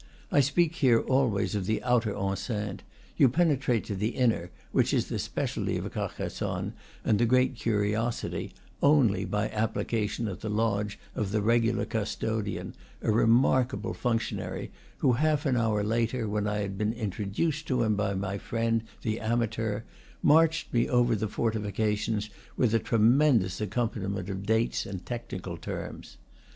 (I speak here always of the outer enceinte; you penetrate to the inner which is the specialty of Carcassonne, and the great curiosity only by application at the lodge of the regular custodian, a remarkable func tionary, who, half an hour later, when I had been in troduced to him by my friend the amateur, marched me over the fortifications with a tremendous accompani ment of dates and technical terms.)